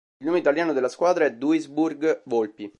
Il nome italiano della squadra è Duisburg Volpi.